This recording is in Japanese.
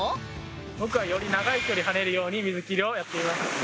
僕はより長い距離跳ねるように水切りをやっています。